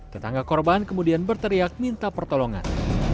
tetangga korban kemudian berteriak minta pertolongan